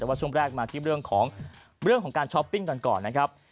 แต่ว่าช่วงแรกมาที่เรื่องของเรื่องของการช้อปปิ้งก่อนนะครับ